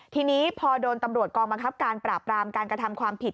ทีนี้พอโดนตำรวจกองบังคับการปราบรามการกระทำความผิด